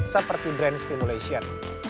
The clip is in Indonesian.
seperti drain stimulation